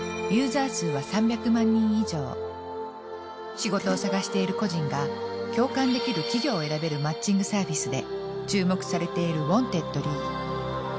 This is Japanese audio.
仕事を探している個人が共感できる企業を選べるマッチングサービスで注目されているウォンテッドリー。